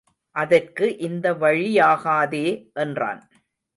அதற்கு இந்த வழியாகாதே என்றான்.